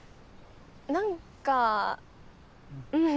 何かうん。